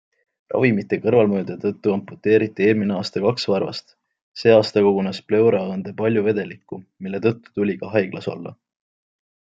Ravimite kõrvalmõjude tõttu amputeeriti eelmine aasta kaks varvast, see aasta kogunes pleuraõõnde palju vedelikku, mille tõttu tuli ka haiglas olla.